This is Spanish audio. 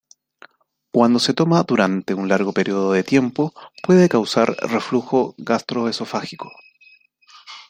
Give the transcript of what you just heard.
Cuando se toma durante un largo período de tiempo, puede causar reflujo gastroesofágico.